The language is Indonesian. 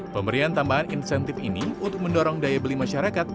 pemberian tambahan insentif ini untuk mendorong daya beli masyarakat